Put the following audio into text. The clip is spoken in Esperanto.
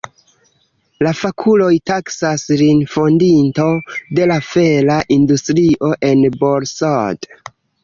La fakuloj taksas lin fondinto de la fera industrio en Borsod.